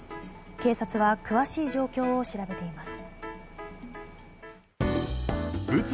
警察は詳しい状況を調べています。